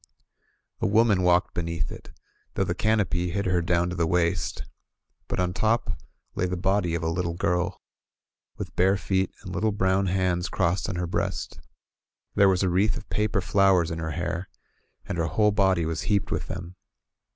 A woman walked beneath it, though the canopy hid her down to the waist; but on top lay the body of a little girl, with bare feet and little brown hands crossed on her breast. There was a wreath of paper flowers in her hair, and her whole body was heaped with them.